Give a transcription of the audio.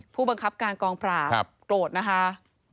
ผู้บังคับการกองปราบโกรธนะคะ